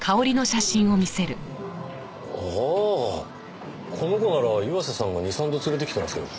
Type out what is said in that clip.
ああこの子なら岩瀬さんが２３度連れて来てますよ。